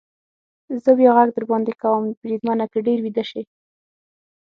زه بیا غږ در باندې کوم، بریدمنه، که ډېر ویده شې.